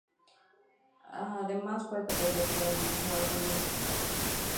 Además fue catedrático de la Universidad Autónoma de Santo Domingo.